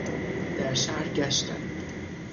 در شهر گشتن